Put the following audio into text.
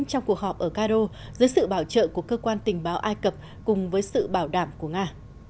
trong cuộc họp ở cairo dưới sự bảo trợ của cơ quan tình báo ai cập cùng với sự bảo đảm của nga